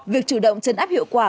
việc chủ động chấn áp hiệu quả